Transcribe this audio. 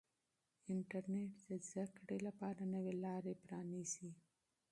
انټرنیټ د زده کړې لپاره نوې لارې پرانیزي.